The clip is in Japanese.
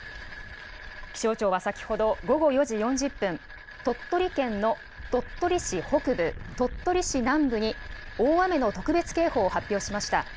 気象庁は先ほど午後４時４０分、鳥取県の鳥取市北部、鳥取市南部に大雨の特別警報を発表しました。